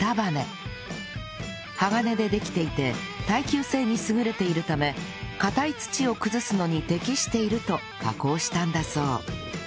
鋼でできていて耐久性に優れているため硬い土を崩すのに適していると加工したんだそう